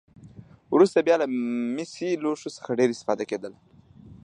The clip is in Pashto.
وروسته بیا له مسي لوښو څخه ډېره استفاده کېدله.